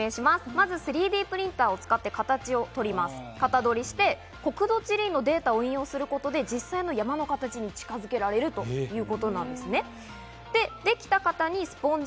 まず３Ｄプリンターを使って型どりして、国土地理院のデータを引用することで、実際の山の形に近づけられるということなんです。